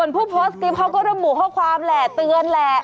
ส่วนผู้โพสต์กริปเขาก็ต้องหมู่ข้อความแหละเตือนแหละ